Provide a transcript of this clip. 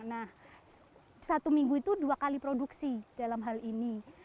nah satu minggu itu dua kali produksi dalam hal ini